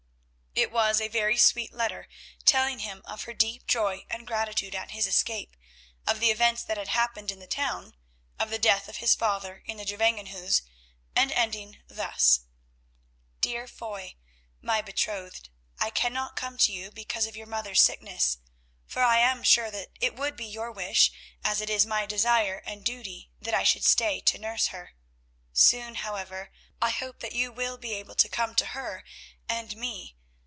It was a very sweet letter, telling him of her deep joy and gratitude at his escape; of the events that had happened in the town; of the death of his father in the Gevangenhuis, and ending thus: "Dear Foy, my betrothed, I cannot come to you because of your mother's sickness, for I am sure that it would be your wish, as it is my desire and duty, that I should stay to nurse her. Soon, however, I hope that you will be able to come to her and me.